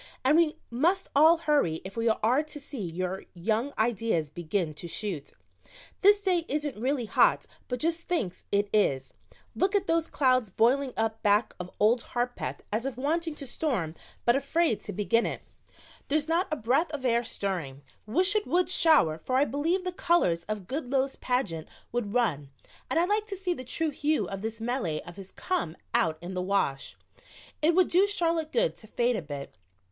"And we must all hurry if we are to see your young ideas begin to shoot. This day isn't really hot, but just thinks it is. Look at those clouds boiling up back of Old Harpeth as if wanting to storm, but afraid to begin it. There's not a breath of air stirring. Wish it would shower, for I believe the colors of Goodloe's pageant would run and I'd like to see the true hue of this melee of his come out in the wash. It would do Charlotte good to fade a bit.